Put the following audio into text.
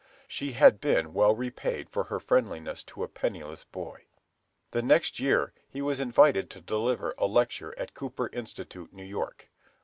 She had been well repaid for her friendliness to a penniless boy. The next year he was invited to deliver a lecture at Cooper Institute, New York.